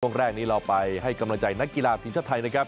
แรกนี้เราไปให้กำลังใจนักกีฬาทีมชาติไทยนะครับ